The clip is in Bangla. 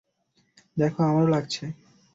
দেখো, আমারও লাগছে।